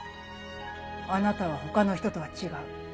あなたは他の人とは違う。